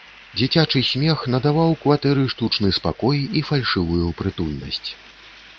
Дзіцячы смех надаваў кватэры штучны спакой і фальшывую прытульнасць.